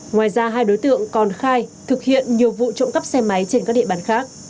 ngoài ra hai đối tượng còn khai thực hiện nhiều vụ trộm cắp xe máy trên các địa bàn khác